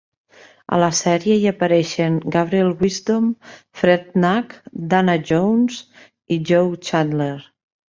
A la sèrie hi apareixien Gabriel Wisdom, Fred Nurk, Dana Jones i Joe Chandler.